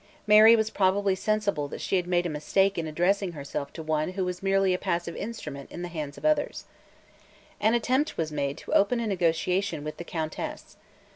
Mary was probably sensible that she had made a mistake in addressing herself to one who was merely a passive instrument in the hands of others. An attempt was made to open a negotiation with the Countess.